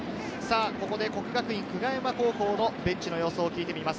ここで國學院久我山高校のベンチの様子を聞いてみます。